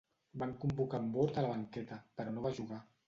Van convocar en Ward a la banqueta, però no va jugar.